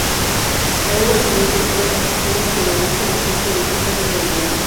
Al año siguiente, Sport Agustino al finaliza en la sexta ubicación del torneo.